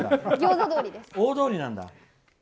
大通りなんだ？